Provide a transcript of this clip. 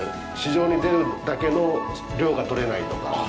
市場に出るだけの量がとれないとか。